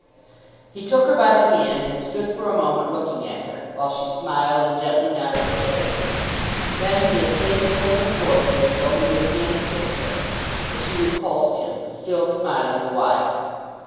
He took her by the hand, and stood for a moment looking at her, while she smiled and gently nodded her head at him. Then he essayed to pull her towards him as though he would again kiss her. But she repulsed him, still smiling the while.